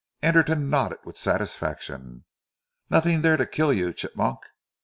Anderton nodded with satisfaction. "Nothing there to kill you, Chigmok.